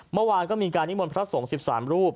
เมื่อวานก็มีการนิมนต์พระสงฆ์๑๓รูป